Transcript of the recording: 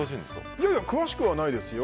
いやいや詳しくはないですよ。